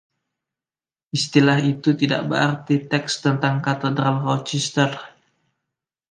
Istilah itu tidak berarti teks tentang Katedral Rochester.